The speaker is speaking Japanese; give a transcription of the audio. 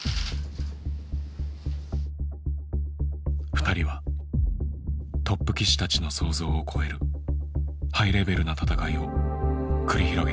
２人はトップ棋士たちの想像を超えるハイレベルな戦いを繰り広げていく。